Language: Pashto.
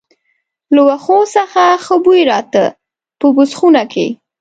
له وښو څخه ښه بوی راته، په بوس خونه کې.